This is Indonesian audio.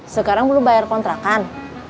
sekarang belum bayar kontrakan